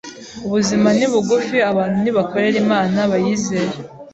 Ubuzima ni bugufi abantu nibakorere Imana bayizere